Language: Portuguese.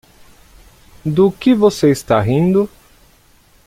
Do que você está rindo?